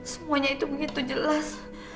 semuanya itu begitu jelas